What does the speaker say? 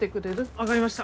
分かりました。